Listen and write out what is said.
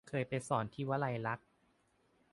เคยไปสอนที่วลัยลักษณ์